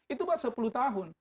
itu buat sepuluh tahun